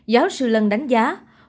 giáo sư lân đánh giá